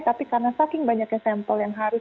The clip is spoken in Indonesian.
tapi karena saking banyaknya sampel yang harus